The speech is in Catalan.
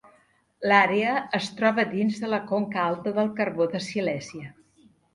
L'àrea es troba dins de la conca alta del carbó de Silèsia.